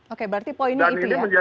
oke berarti poinnya itu ya